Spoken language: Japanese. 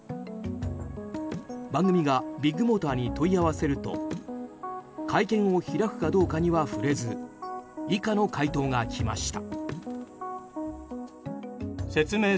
番組が、ビッグモーターに問い合わせると会見を開くかどうかには触れず以下の回答が来ました。